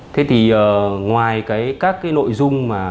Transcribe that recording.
thế thì ngoài các cái nội dung mà